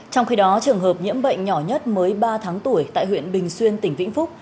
trong khi đó trường hợp nhiễm bệnh nhỏ nhất mới ba tháng tuổi tại huyện bình xuyên tỉnh vĩnh phúc